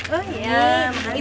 oh ya makasih